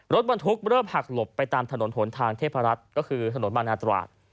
รถบรรทุกเริ่มหักหลบไปตามถนนหนทางเทพรัฐก็คือถนนบางนาตราด